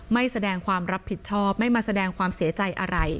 ไม่แสดงความรับผิดชอบไม่มาแสดงความเสียใจอะไร